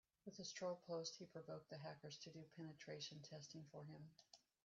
With his troll post he provoked the hackers to do penetration testing for him.